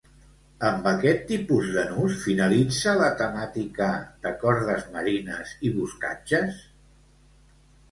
Amb aquest tipus de nus finalitza la temàtica de cordes marines i boscatges?